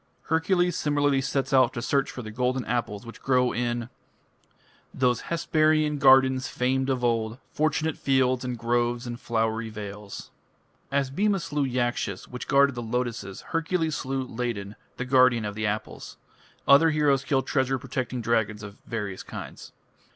" Hercules similarly sets out to search for the golden apples which grow in those Hesperian gardens famed of old, Fortunate fields, and groves and flowery vales. As Bhima slew Yakshas which guarded the lotuses, Hercules slew Ladon, the guardian of the apples. Other heroes kill treasure protecting dragons of various kinds.